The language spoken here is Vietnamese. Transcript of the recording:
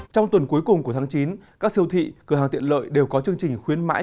trong tuần cuối cùng của tháng chín các siêu thị cửa hàng tiện lợi đều có chương trình khuyến mãi